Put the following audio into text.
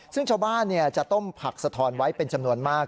ซึ่งชาวบ้านจะต้มผักสะทอนไว้เป็นจำนวนมาก